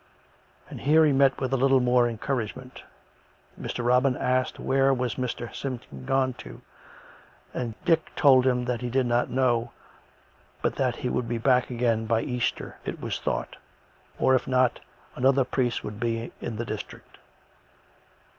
And here he met with a little more encouragement. Mr. Robin asked where COME RACK! COME ROPE! 67 was Mr. Simpson gone to, and Dick told him he did not know, but that he would be back again by Easter, it was thought, or, if not, another priest would be in the district.